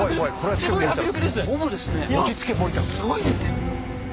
すごいですね。